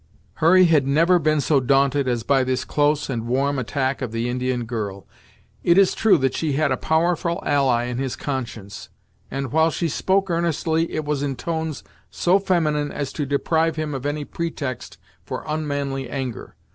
Hurry had never been so daunted as by this close and warm attack of the Indian girl. It is true that she had a powerful ally in his conscience, and while she spoke earnestly, it was in tones so feminine as to deprive him of any pretext for unmanly anger.